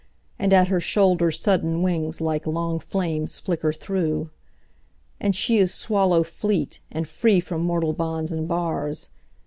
And at her shoulder sudden wingsLike long flames flicker through. And she is swallow fleet, and freeFrom mortal bonds and bars.